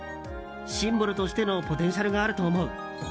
シンボルとしてのポテンシャルがあると思う。